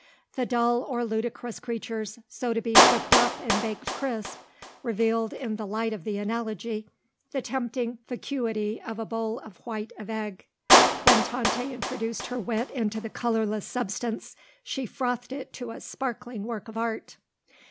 The dull or ludicrous creatures, so to be whipped up and baked crisp, revealed, in the light of the analogy, the tempting vacuity of a bowl of white of egg. When Tante introduced her wit into the colourless substance she frothed it to a sparkling work of art.